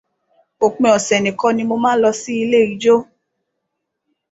Òpin ọ̀sẹ̀ nìkan ni mo máa ń lọ sílé ijó.